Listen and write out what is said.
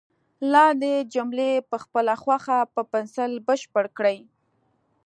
لاندې جملې په خپله خوښه په پنسل بشپړ کړئ.